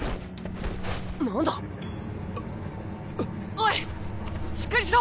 おいしっかりしろ！